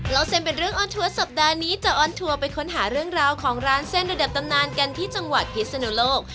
เส้นเป็นเรื่องออนทัวร์สัปดาห์นี้จะออนทัวร์ไปค้นหาเรื่องราวของร้านเส้นระดับตำนานกันที่จังหวัดพิศนุโลก